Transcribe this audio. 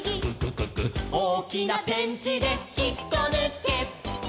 「おおきなペンチでひっこぬけ」